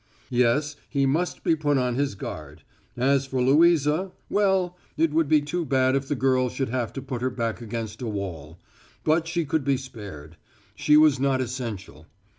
Yes, he must be put on his guard. As for Louisa well, it would be too bad if the girl should have to put her back against a wall; but she could be spared; she was not essential.